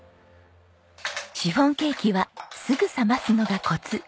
シフォンケーキはすぐ冷ますのがコツ。